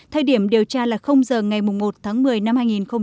thời điểm điều tra là giờ ngày một tháng một mươi năm hai nghìn một mươi chín